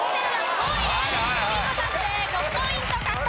５ポイント獲得です。